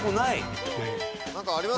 なんかあります？